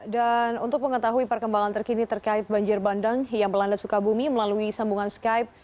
dan untuk pengetahui perkembangan terkini terkait banjir bandang yang berlanda sukabumi melalui sambungan skype